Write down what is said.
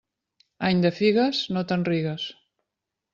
Any de figues, no te'n rigues.